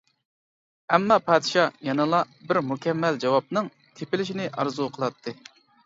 ئەمما پادىشاھ يەنىلا بىر مۇكەممەل جاۋابنىڭ تېپىلىشىنى ئارزۇ قىلاتتى.